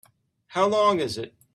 How long is it?